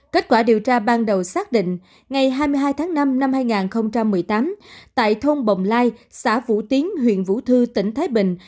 kết quả điều tra ban đầu xác định ngày hai mươi hai tháng năm năm hai nghìn một mươi tám tại thôn bồng lai xã vũ tiến huyện vũ thư tỉnh thái bình